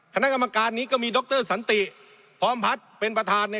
คณะกรรมการนี้ก็มีดรศพร้อมพทเป็นประธานครับ